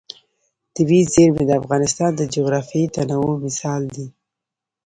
طبیعي زیرمې د افغانستان د جغرافیوي تنوع مثال دی.